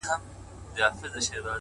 مئين دې مړ کړ مُلا ته هم مړ شې لولپه شې”